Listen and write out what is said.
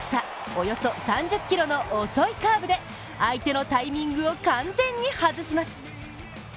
およそ３０キロの遅いカーブで相手のタイミングを完全に外します。